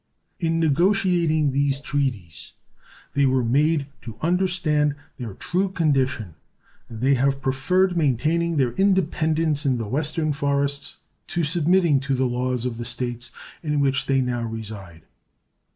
In negotiating these treaties they were made to understand their true condition, and they have preferred maintaining their independence in the Western forests to submitting to the laws of the States in which they now reside.